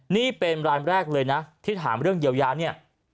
นี่เป็นรายแรกเลยนะที่ถามเรื่องเยียวยาเนี่ย